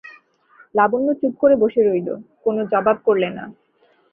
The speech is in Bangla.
লাবণ্য চুপ করে বসে রইল, কোনো জবাব করলে না।